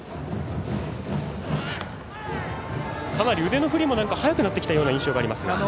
かなり腕の振りも早くなってきた印象があります。